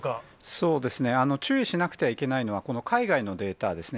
そうですね、注意しなくてはいけないのが、この海外のデータですね。